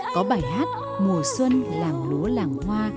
có bài hát mùa xuân làng lúa làng hoa